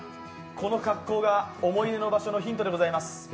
この格好が思い出の場所のヒントでございます。